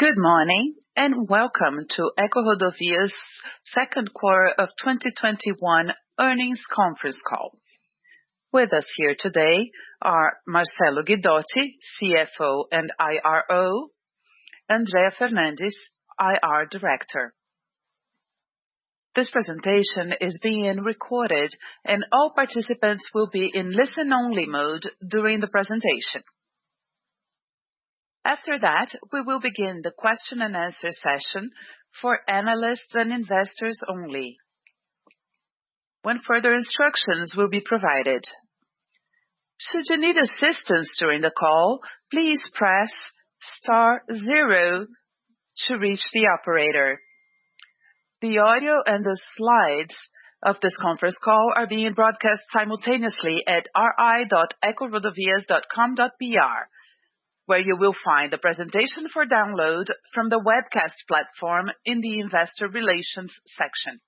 Good morning, and welcome to EcoRodovias second quarter of 2021 earnings conference call. With us here today are Marcello Guidotti, CFO and IRO, Andrea Fernandes, IR Director. This presentation is being recorded and all participants will be in listen-only mode during the presentation. After that, we will begin the question and answer session for analysts and investors only, when further instructions will be provided. Should you need assistance during the call, please press star 0 to reach the operator. The audio and the slides of this conference call are being broadcast simultaneously at ri.ecorodovias.com.br, where you will find the presentation for download from the webcast platform in the investor relations section.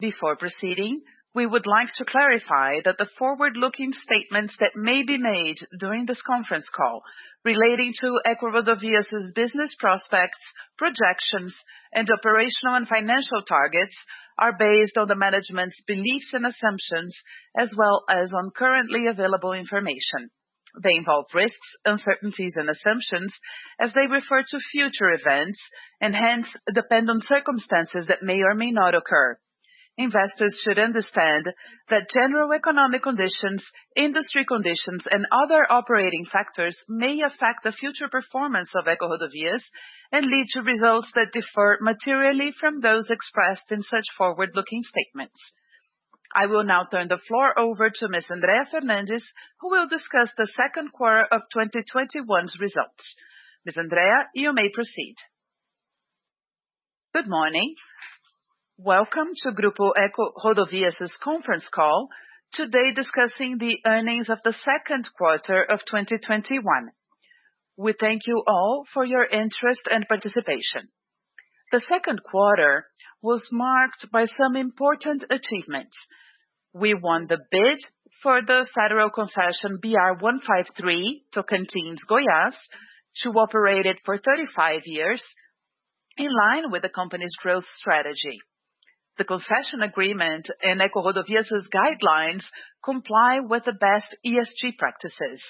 Before proceeding, we would like to clarify that the forward-looking statements that may be made during this conference call relating to EcoRodovias' business prospects, projections, and operational and financial targets are based on the management's beliefs and assumptions as well as on currently available information. They involve risks, uncertainties, and assumptions as they refer to future events, and hence, depend on circumstances that may or may not occur. Investors should understand that general economic conditions, industry conditions, and other operating factors may affect the future performance of EcoRodovias and lead to results that differ materially from those expressed in such forward-looking statements. I will now turn the floor over to Ms. Andrea Fernandes, who will discuss the second quarter of 2021's results. Ms. Andrea, you may proceed. Good morning. Welcome to Grupo EcoRodovias' conference call, today discussing the earnings of the second quarter of 2021. We thank you all for your interest and participation. The second quarter was marked by some important achievements. We won the bid for the federal concession BR-153 Tocantins, Goiás to operate it for 35 years, in line with the company's growth strategy. The concession agreement in EcoRodovias' guidelines comply with the best ESG practices.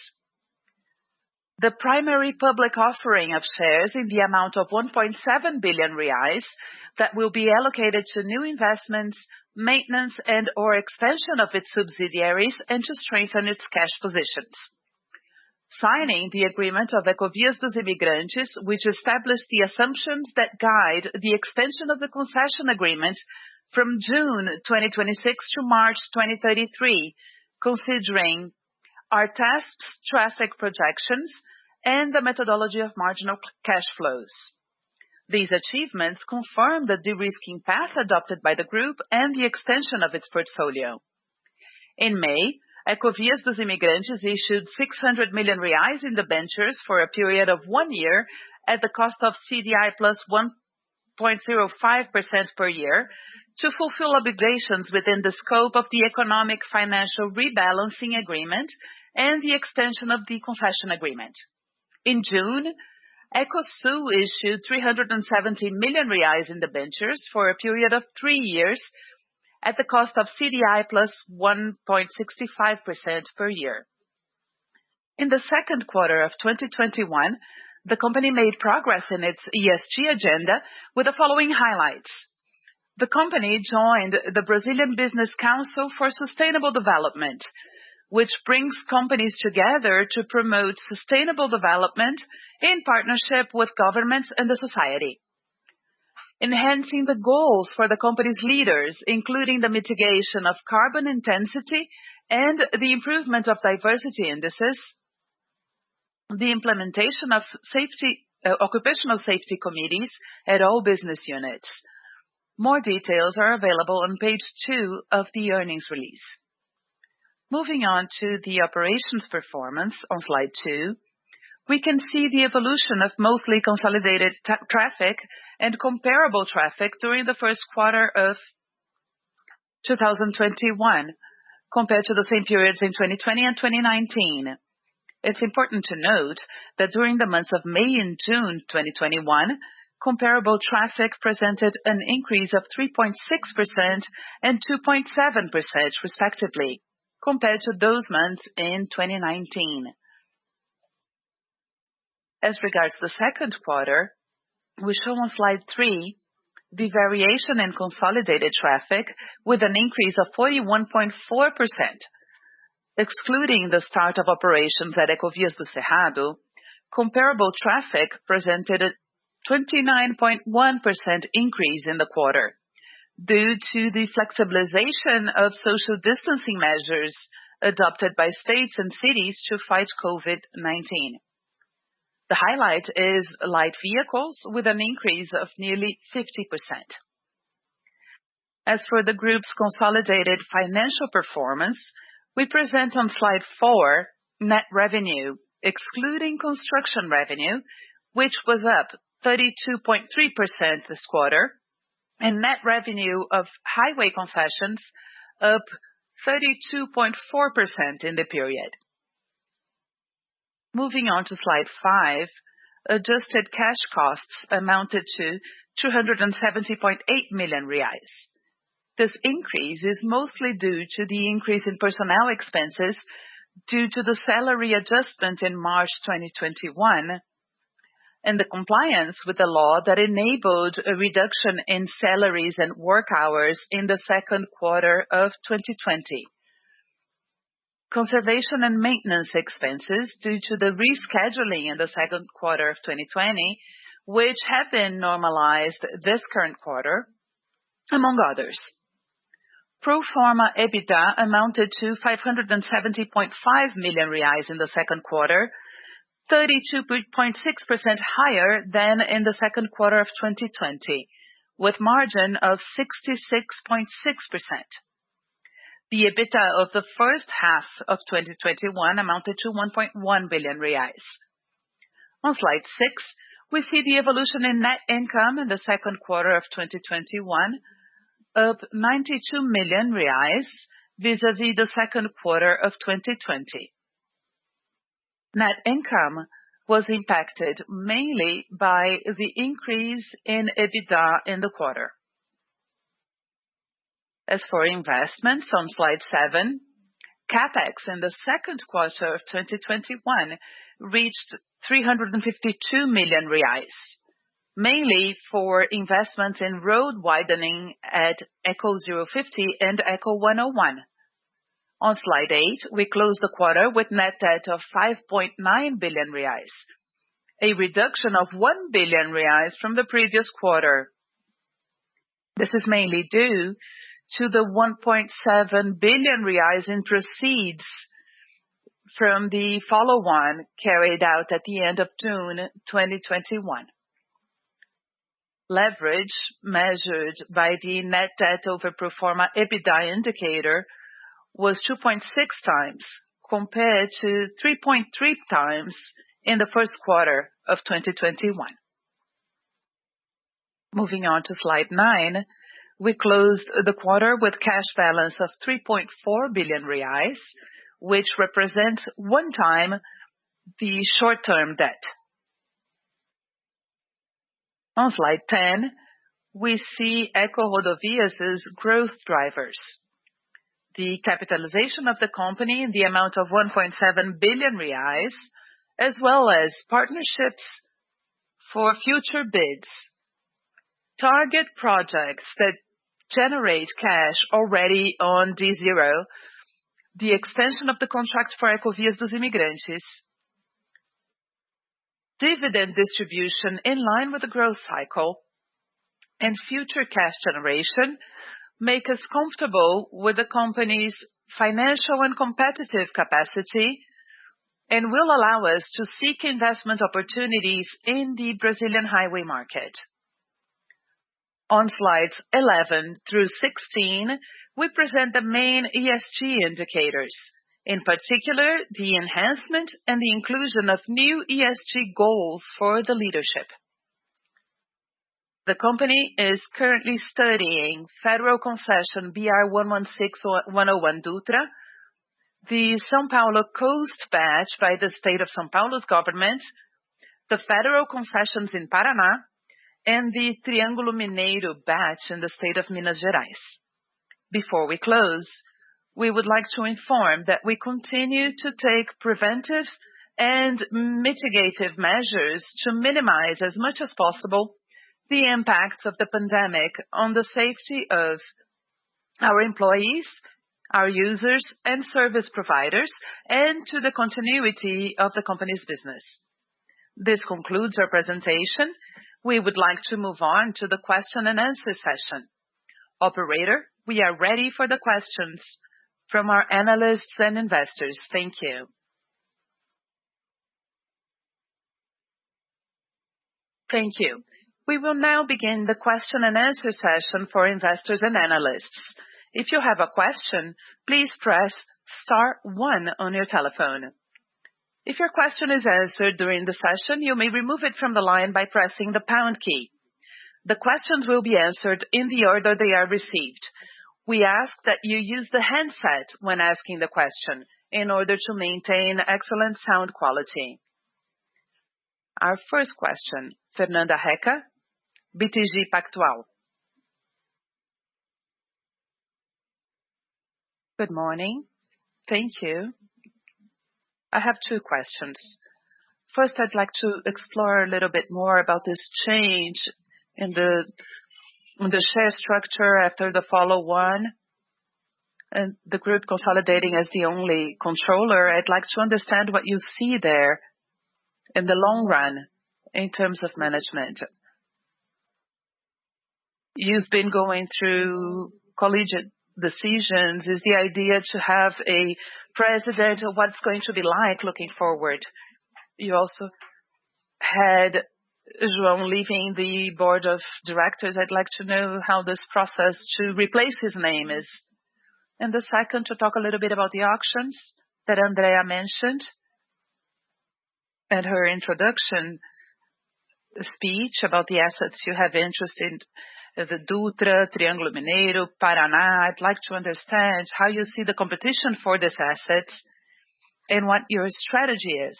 The primary public offering of shares in the amount of 1.7 billion reais that will be allocated to new investments, maintenance, and/or expansion of its subsidiaries, and to strengthen its cash positions. Signing the agreement of Ecovias dos Imigrantes, which established the assumptions that guide the extension of the concession agreement from June 2026 to March 2033, considering our tasks, traffic projections, and the methodology of marginal cash flows. These achievements confirm the de-risking path adopted by the group and the extension of its portfolio. In May, Ecovias dos Imigrantes issued 600 million reais in debentures for a period of one year at the cost of CDI plus 1.05% per year to fulfill obligations within the scope of the economic financial rebalancing agreement and the extension of the concession agreement. In June, Ecosul issued 370 million reais in debentures for a period of three years at the cost of CDI plus 1.65% per year. In the second quarter of 2021, the company made progress in its ESG agenda with the following highlights. The company joined the Brazilian Business Council for Sustainable Development, which brings companies together to promote sustainable development in partnership with governments and society. Enhancing the goals for the company's leaders, including the mitigation of carbon intensity and the improvement of diversity indices. The implementation of occupational safety committees at all business units. More details are available on page two of the earnings release. Moving on to the operations performance on slide two, we can see the evolution of mostly consolidated traffic and comparable traffic during the first quarter of 2021 compared to the same periods in 2020 and 2019. It's important to note that during the months of May and June 2021, comparable traffic presented an increase of 3.6% and 2.7% respectively, compared to those months in 2019. As regards to the second quarter, we show on slide three the variation in consolidated traffic with an increase of 41.4%, excluding the start of operations at Ecovias do Cerrado. Comparable traffic presented a 29.1% increase in the quarter due to the flexibilization of social distancing measures adopted by states and cities to fight COVID-19. The highlight is light vehicles with an increase of nearly 50%. As for the group's consolidated financial performance, we present on slide four net revenue, excluding construction revenue, which was up 32.3% this quarter. Net revenue of highway concessions up 32.4% in the period. Moving on to slide five, adjusted cash costs amounted to 270.8 million reais. This increase is mostly due to the increase in personnel expenses due to the salary adjustment in March 2021, and the compliance with the law that enabled a reduction in salaries and work hours in the second quarter of 2020. Conservation and maintenance expenses due to the rescheduling in the second quarter of 2020, which have been normalized this current quarter, among others. Pro forma EBITDA amounted to 570.5 million reais in the second quarter, 32.6% higher than in the second quarter of 2020, with margin of 66.6%. The EBITDA of the first half of 2021 amounted to 1.1 billion reais. On slide six, we see the evolution in net income in the second quarter of 2021 of BRL 92 million vis-à-vis the second quarter of 2020. Net income was impacted mainly by the increase in EBITDA in the quarter. As for investments on slide seven, CapEx in the second quarter of 2021 reached 352 million reais, mainly for investments in road widening at ECO050 and ECO101. On slide eight, we close the quarter with net debt of 5.9 billion reais, a reduction of 1 billion reais from the previous quarter. This is mainly due to the 1.7 billion reais in proceeds from the follow-on carried out at the end of June 2021. Leverage measured by the net debt over pro forma EBITDA indicator was 2.6x compared to 3.3x in the first quarter of 2021. Moving on to slide nine, we closed the quarter with cash balance of 3.4 billion reais, which represents che short-term debt. On slide 10, we see EcoRodovias' growth drivers. The capitalization of the company in the amount of 1.7 billion reais, as well as partnerships for future bids. Target projects that generate cash already on D0, the extension of the contract for Ecovias dos Imigrantes. Dividend distribution in line with the growth cycle and future cash generation make us comfortable with the company's financial and competitive capacity and will allow us to seek investment opportunities in the Brazilian highway market. On slides 11 through 16, we present the main ESG indicators, in particular, the enhancement and the inclusion of new ESG goals for the leadership. The company is currently studying federal concession BR-116/101 Dutra, the São Paulo Coast batch by the state of São Paulo's government, the federal concessions in Paraná, and the Triângulo Mineiro batch in the state of Minas Gerais. Before we close, we would like to inform that we continue to take preventive and mitigative measures to minimize as much as possible the impacts of the pandemic on the safety of our employees, our users, and service providers, and to the continuity of the company's business. This concludes our presentation. We would like to move on to the question-and-answer session. Operator, we are ready for the questions from our analysts and investors. Thank you. Thank you. We will now begin the question-and-answer session for investors and analysts. If you have a question, please press star one on your telephone. If your question is answered during the session, you may remove it from the line by pressing the pound key. The questions will be answered in the order they are received. We ask that you use the handset when asking the question in order to maintain excellent sound quality. Our first question, Fernanda Recchia, BTG Pactual. Good morning. Thank you. I have two questions. First, I'd like to explore a little bit more about this change in the share structure after the follow-on and the group consolidating as the only controller. I'd like to understand what you see there in the long run in terms of management. You've been going through collegiate decisions. Is the idea to have a president, or what's it going to be like looking forward? You also had João leaving the board of directors. I'd like to know how this process to replace his name is. The second, to talk a little bit about the auctions that Andrea mentioned in her introduction speech about the assets you have interest in, the Dutra, Triângulo Mineiro, Paraná. I'd like to understand how you see the competition for these assets and what your strategy is.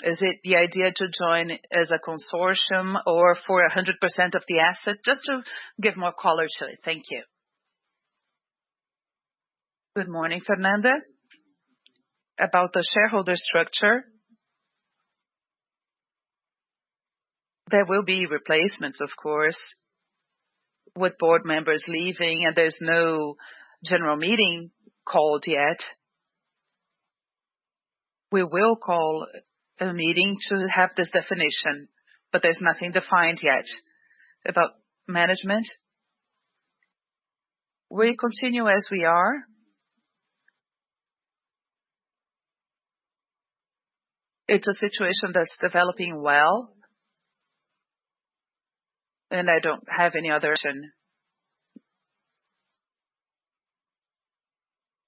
Is it the idea to join as a consortium or for 100% of the asset? Just to give more color to it. Thank you. Good morning, Fernanda. About the shareholder structure, there will be replacements, of course, with board members leaving, and there's no general meeting called yet. We will call a meeting to have this definition, but there's nothing defined yet. About management, we'll continue as we are. It's a situation that's developing well, and I don't have any other action.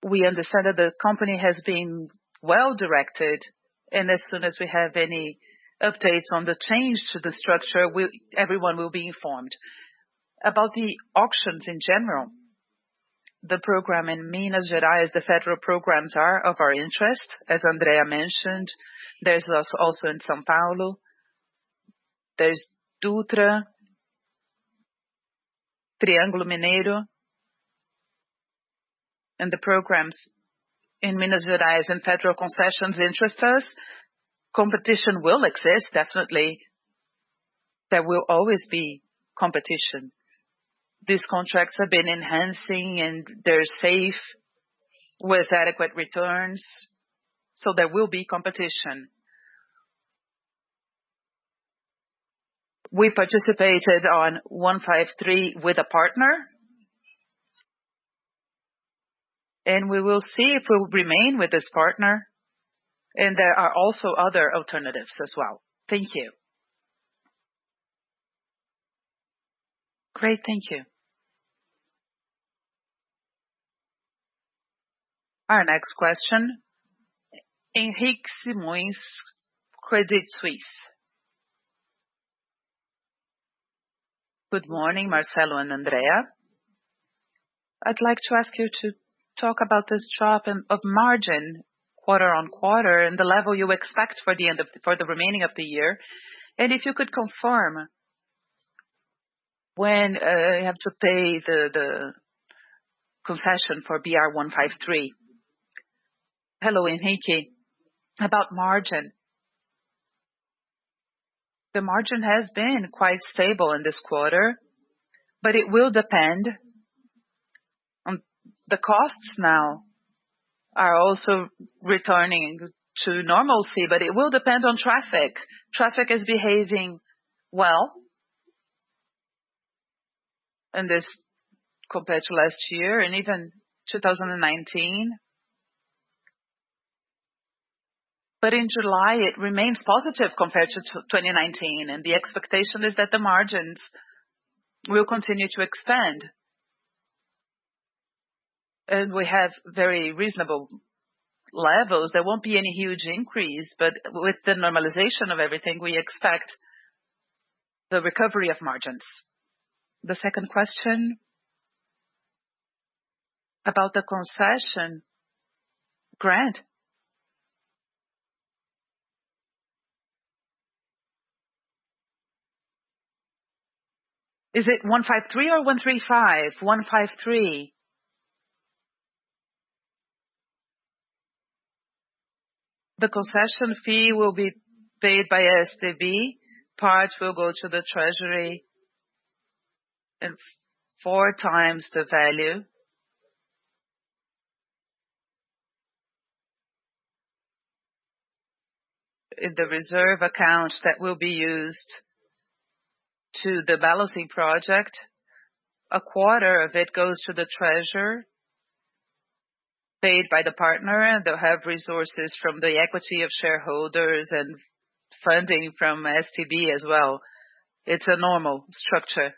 We understand that the company has been well-directed, and as soon as we have any updates on the change to the structure, everyone will be informed. About the auctions in general, the program in Minas Gerais, the federal programs are of our interest. As Andrea mentioned, there's also in São Paulo, there's Dutra, Triângulo Mineiro, and the programs in Minas Gerais and federal concessions interest us. Competition will exist, definitely. There will always be competition. These contracts have been enhancing, and they're safe with adequate returns. There will be competition. We participated on 153 with a partner, and we will see if we'll remain with this partner. There are also other alternatives as well. Thank you. Great. Thank you. Our next question, Henrique Simoes, Credit Suisse. Good morning, Marcello and Andrea. I'd like to ask you to talk about this drop of margin quarter-over-quarter and the level you expect for the remaining of the year. If you could confirm when you have to pay the concession for BR-153. Hello, Henrique. About margin, the margin has been quite stable in this quarter, but it will depend on the costs now are also returning to normalcy, but it will depend on traffic. Traffic is behaving well compared to last year and even 2019. In July, it remains positive compared to 2019, and the expectation is that the margins will continue to expand. We have very reasonable levels. There won't be any huge increase, but with the normalization of everything, we expect the recovery of margins. The second question about the concession, grant. Is it 153 or 135? 153. The concession fee will be paid by STB. Part will go to the Treasury, 4x the value in the reserve account that will be used to the balancing project. A quarter of it goes to the Treasury paid by the partner. They'll have resources from the equity of shareholders and funding from STB as well. It's a normal structure.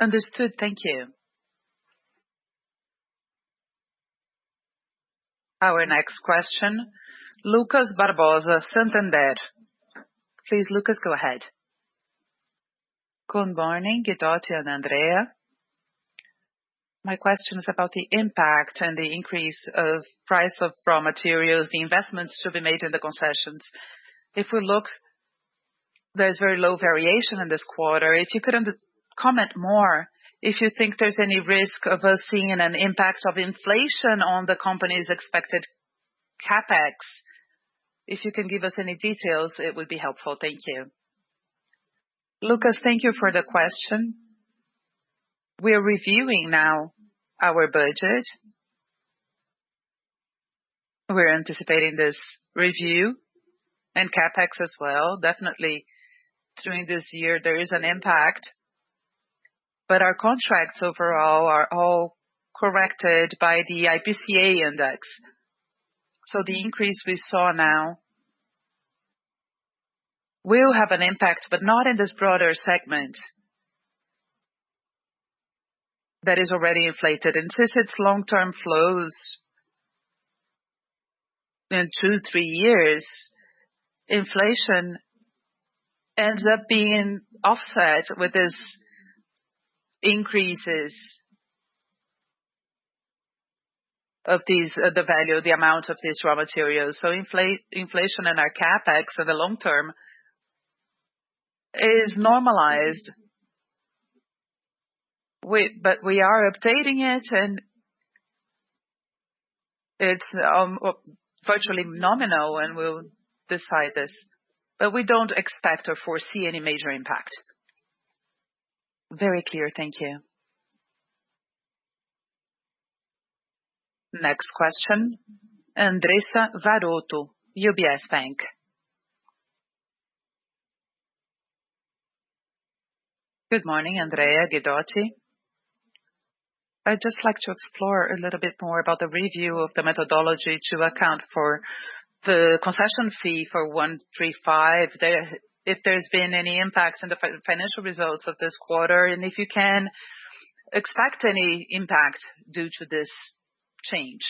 Understood. Thank you. Our next question, Lucas Barbosa, Santander. Please, Lucas, go ahead. Good morning, Guidotti and Andrea. My question is about the impact and the increase of price of raw materials, the investments to be made in the concessions. If we look, there's very low variation in this quarter. If you could comment more, if you think there's any risk of us seeing an impact of inflation on the company's expected CapEx. If you can give us any details, it would be helpful. Thank you. Lucas, thank you for the question. We are reviewing now our budget. We're anticipating this review and CapEx as well. Definitely, during this year, there is an impact, but our contracts overall are all corrected by the IPCA index. The increase we saw now will have an impact, but not in this broader segment. That is already inflated. Since it's long-term flows, in two, three years, inflation ends up being offset with these increases of the value, the amount of these raw materials. Inflation and our CapEx for the long term is normalized. We are updating it, and it's virtually nominal, and we'll decide this, but we don't expect or foresee any major impact. Very clear. Thank you. Next question, Andressa Varotto, UBS Bank. Good morning, Andrea, Guidotti. I'd just like to explore a little bit more about the review of the methodology to account for the concession fee for BR-135, if there's been any impact on the financial results of this quarter, and if you can expect any impact due to this change.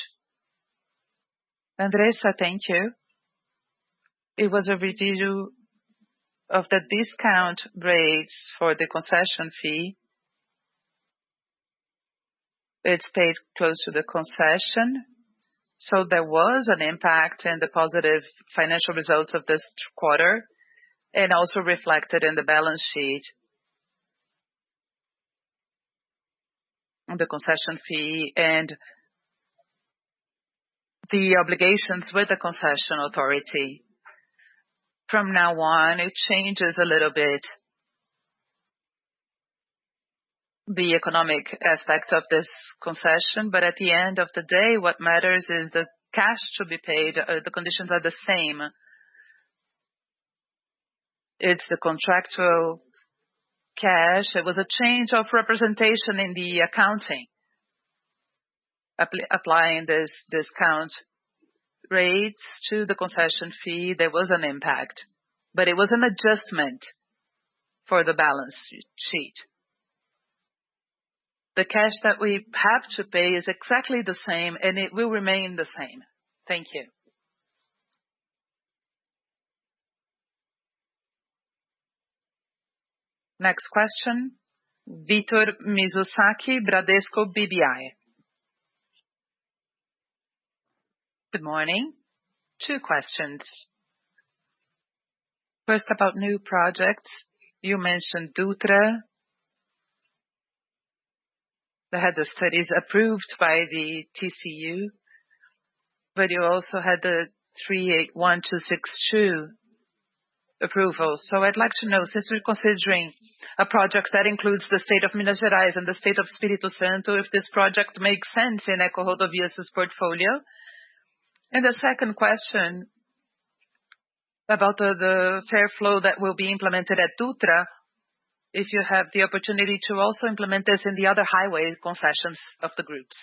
Andressa, thank you. It was a revision of the discount rates for the concession fee. It's paid close to the concession. There was an impact in the positive financial results of this quarter, and also reflected in the balance sheet on the concession fee and the obligations with the concession authority. From now on, it changes a little bit the economic aspects of this concession. At the end of the day, what matters is the cash to be paid. The conditions are the same. It's the contractual cash. It was a change of representation in the accounting. Applying these discount rates to the concession fee, there was an impact, but it was an adjustment for the balance sheet. The cash that we have to pay is exactly the same, and it will remain the same. Thank you. Next question, Victor Mizusaki, Bradesco BBI. Good morning. Two questions. First, about new projects. You mentioned Dutra. They had the studies approved by the TCU. You also had the BR-381/262 approval. I'd like to know, since we're considering a project that includes the state of Minas Gerais and the state of Espírito Santo, if this project makes sense in EcoRodovias' portfolio. The second question about the Free flow that will be implemented at Dutra, if you have the opportunity to also implement this in the other highway concessions of the groups.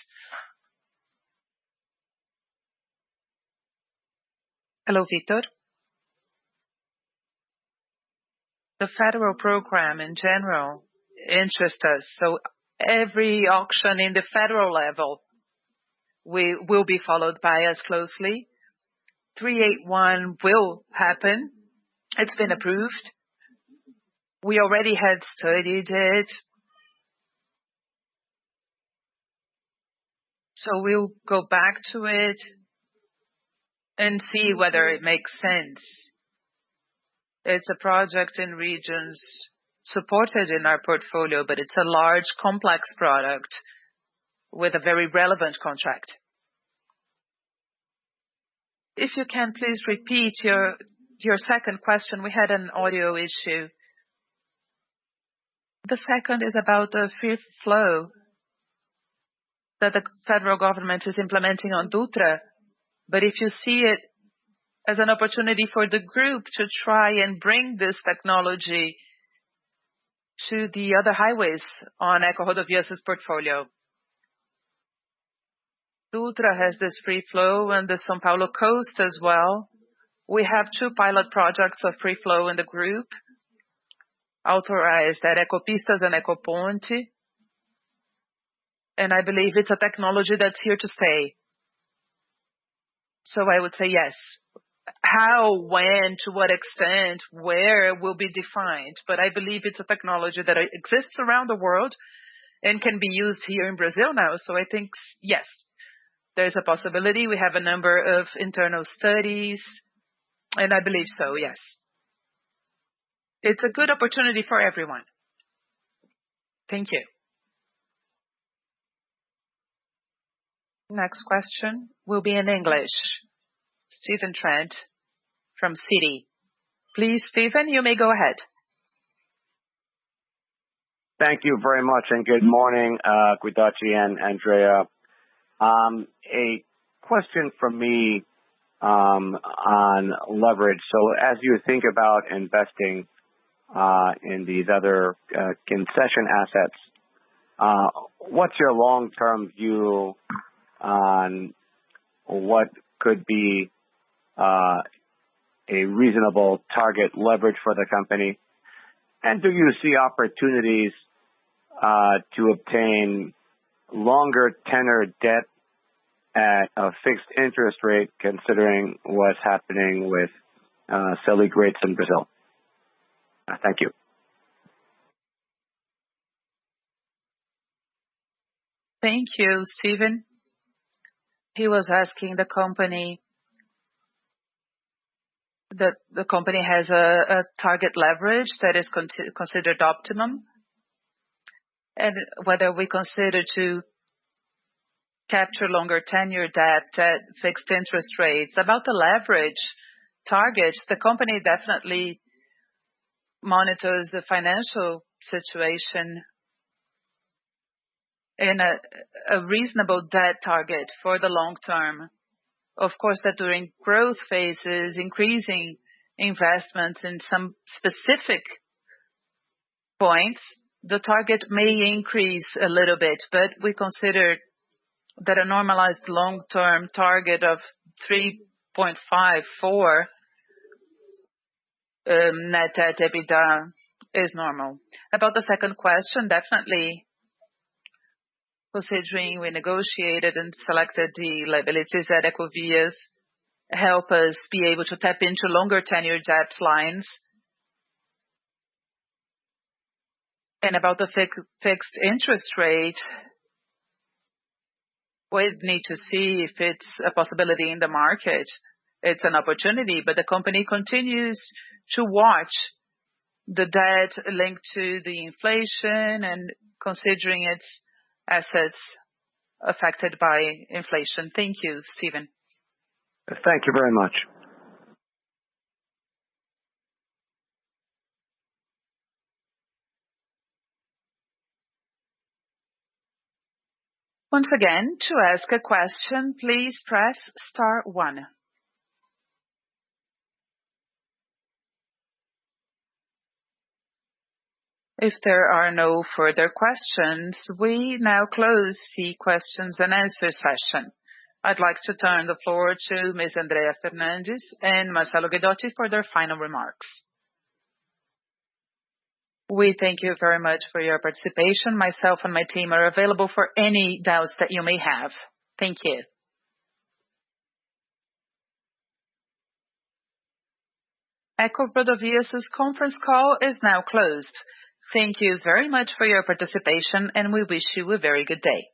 Hello, Victor. The federal program, in general, interests us. Every auction in the federal level will be followed by us closely. BR-381 will happen. It's been approved. We already had studied it. We'll go back to it and see whether it makes sense. It's a project in regions supported in our portfolio, but it's a large, complex project with a very relevant contract. If you can please repeat your second question, we had an audio issue. The second is about the free flow that the federal government is implementing on Dutra, but if you see it as an opportunity for the group to try and bring this technology to the other highways on EcoRodovias' portfolio. Dutra has this free flow and the São Paulo Coast as well. We have two pilot projects of free flow in the group authorized at Ecopistas and Ecoponte. I believe it's a technology that's here to stay. I would say yes. How, when, to what extent, where will be defined. I believe it's a technology that exists around the world and can be used here in Brazil now. I think yes, there is a possibility. We have a number of internal studies. I believe so, yes. It's a good opportunity for everyone. Thank you. Next question will be in English. Stephen Trent from Citi. Please, Stephen, you may go ahead. Thank you very much, and good morning, Guidotti and Andrea. A question from me on leverage. As you think about investing in these other concession assets, what's your long-term view on what could be a reasonable target leverage for the company. Do you see opportunities to obtain longer tenure debt at a fixed interest rate considering what's happening with Selic rates in Brazil? Thank you. Thank you, Stephen. He was asking that the company has a target leverage that is considered optimum, and whether we consider to capture longer tenure debt at fixed interest rates. The leverage targets, the company definitely monitors the financial situation in a reasonable debt target for the long term. Of course, that during growth phases, increasing investments in some specific points, the target may increase a little bit, but we consider that a normalized long-term target of 3.54 net debt EBITDA is normal. The second question, definitely, proceeding, we negotiated and selected the liabilities that Ecovias help us be able to tap into longer tenure debt lines. About the fixed interest rate, we need to see if it's a possibility in the market. It's an opportunity, the company continues to watch the debt linked to the inflation and considering its assets affected by inflation. Thank you, Stephen. Thank you very much. I'd like to turn the floor to Ms. Andrea Fernandes and Marcello Guidotti for their final remarks. We thank you very much for your participation. Myself and my team are available for any doubts that you may have. Thank you. EcoRodovias' conference call is now closed. Thank you very much for your participation, and we wish you a very good day.